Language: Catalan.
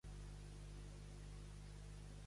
Què passa a Cadis?